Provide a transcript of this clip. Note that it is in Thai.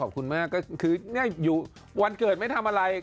ขอบคุณมากก็คืออยู่วันเกิดไม่ทำอะไร